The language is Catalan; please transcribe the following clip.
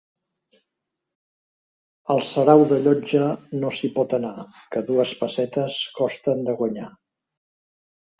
Al sarau de Llotja no s'hi pot anar; que dues pessetes costen de guanyar.